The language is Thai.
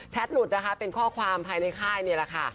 หลุดนะคะเป็นข้อความภายในค่ายนี่แหละค่ะ